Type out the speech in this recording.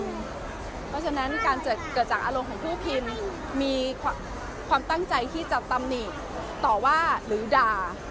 เพราะฉะนั้นการเกิดจากอารมณ์ของผู้พิมพ์มีความตั้งใจที่จะตำหนิต่อว่าหรือด่า